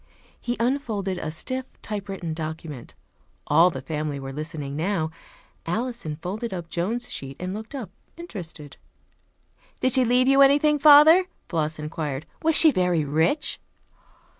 He unfolded a stiff typewritten document. All the family were listening now. Alison folded up Joan's sheet and looked up, interested. "Did she leave you anything, father?" Floss inquired. "Was she very rich?"